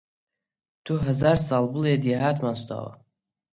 تۆ هەزار ساڵ بڵێ دێهاتمان سووتاوە